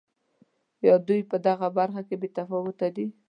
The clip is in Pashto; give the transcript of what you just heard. یا دوی په دغه برخه کې بې تفاوته دي.